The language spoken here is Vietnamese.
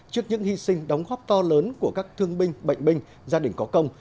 trước những hy sinh đóng góp to lớn của các thương binh bệnh binh gia đình có công